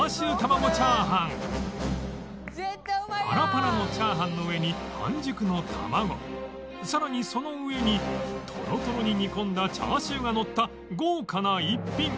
パラパラの炒飯の上に半熟のたまごさらにその上にトロトロに煮込んだチャーシューがのった豪華な逸品